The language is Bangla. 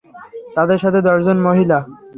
তাদের সাথে দশজন মহিলা।